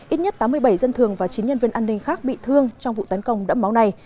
ít nhất tám mươi bảy dân thường và chín nhân viên an ninh khác bị thương trong vụ tấn công đẫm máu này